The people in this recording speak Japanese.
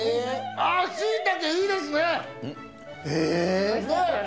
あっ、しいたけいいですね。